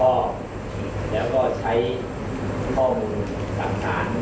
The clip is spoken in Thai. ด้วยความรอบคลอบแล้วก็ใช้ข้อมูลสัมภาษณ์